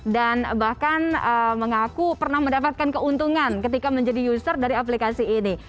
dan bahkan mengaku pernah mendapatkan keuntungan ketika menjadi user dari aplikasi ini